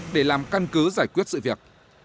để làm căn cứ giải quyết sự việc